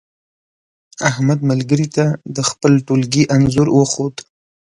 احمد ملګري ته د خپل ټولگي انځور وښود.